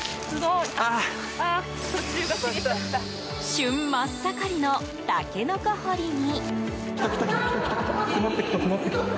旬真っ盛りのタケノコ堀りに。